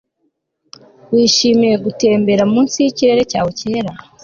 wishimiye gutembera munsi yikirere cyawe cyera